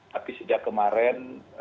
tapi sejak kemarin